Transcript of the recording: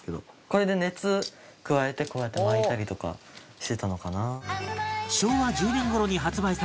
これで熱を加えてこうやって巻いたりとかしてたのかな。